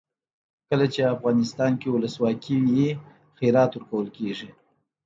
کله چې افغانستان کې ولسواکي وي خیرات ورکول کیږي.